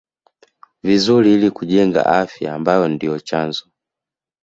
vizuri ili kujenga afya ambayo ndio chanzo